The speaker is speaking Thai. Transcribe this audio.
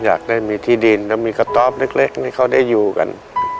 อยากได้มีที่ดินแล้วมีกระต๊อบเล็กให้เขาได้อยู่กัน